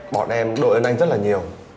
bọn em đội ân anh rất là nhiều